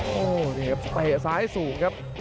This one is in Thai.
โอ้โหนี่ครับเตะซ้ายสูงครับ